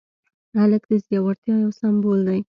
هلک د زړورتیا یو سمبول دی.